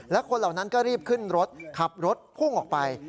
และคนเหล่านั้นก็รีบขึ้นรถขับรถพุ่งออกไป